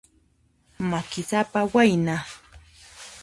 Makisapa wayna.